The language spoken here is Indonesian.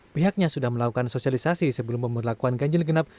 pihaknya sudah melakukan sosialisasi sebelum pemberlakuan ganjil genap